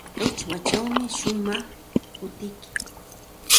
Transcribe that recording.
Qichwachawmi shumaq hutiyki.